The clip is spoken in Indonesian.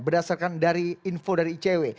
berdasarkan dari info dari icw